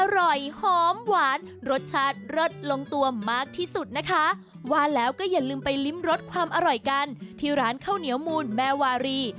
อร่อยหอมหวานรสชาติเลิศลงตัวมากที่สุดนะคะว่าแล้วก็อย่าลืมไปลิ้มรสความอร่อยกันที่ร้านข้าวเหนียวมูลแม่วารี